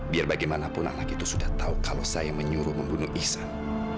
biar bagaimanapun anak itu sudah tahu kalau saya menyuruh membunuh ihsan